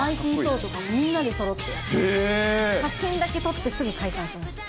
みんなでそろって、写真だけ撮ってすぐ解散しました。